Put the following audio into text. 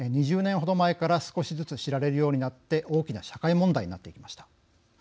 ２０年ほど前から少しずつ知られるようになって大きな社会問題になっていきました。